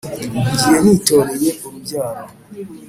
ngiye ntiroye urubyaro